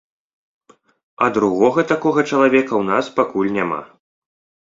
А другога такога чалавека ў нас пакуль няма.